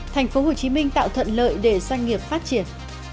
thành phố hồ chí minh tạo thuận lợi để doanh nghiệp phát triển